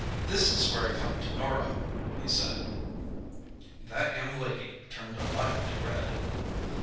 "This is where I come to Norah," he said. That young lady turned a lively red.